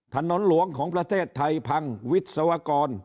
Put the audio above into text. ถนนหลวงของประเทศไทยพังวิศวกร